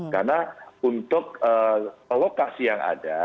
karena untuk lokasi yang ada